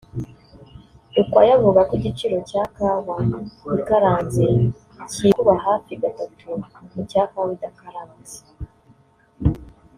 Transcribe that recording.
Rukwaya avuga ko igiciro cya kawa ikaranze cyikuba hafi gatatu ku cya kawa idakaranze